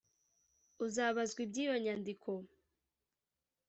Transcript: Uzabazwa iby iyo nyandiko